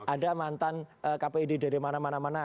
ada mantan kpid dari mana mana mana